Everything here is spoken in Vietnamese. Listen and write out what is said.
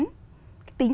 tính các tỉnh